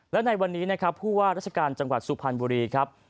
และในวันนี้นะครับผู้ว่าราชการจังหวัดสุพรรณบุรีครับ